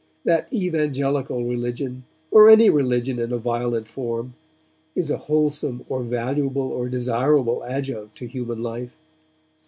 that evangelical religion, or any religion in a violent form, is a wholesome or valuable or desirable adjunct to human life.